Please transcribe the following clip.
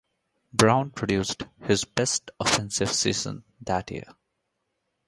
Brown produced his best offensive season that year.